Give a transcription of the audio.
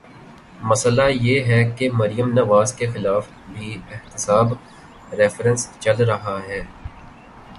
مسئلہ یہ ہے کہ مریم نواز کے خلاف بھی احتساب ریفرنس چل رہا ہے۔